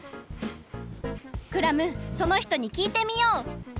クラムそのひとにきいてみよう！